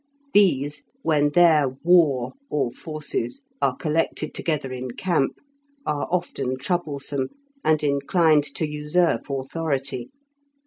These, when their "war", or forces, are collected together in camp, are often troublesome, and inclined to usurp authority.